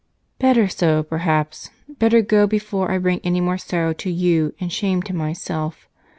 "Better so, perhaps; better go before I bring any more sorrow to you and shame to myself.